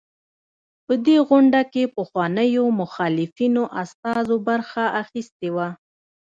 په دې غونډه کې پخوانيو مخالفینو استازو برخه اخیستې وه.